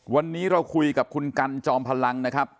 วันนี้เราคุยกับคุณกันจอมพลังนะครับ